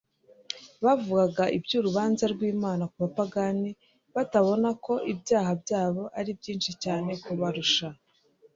Bavugaga iby'urubanza rw'Imana ku bapagani batabona ko ibyaha byabo ari byinshi cyane kubarusha.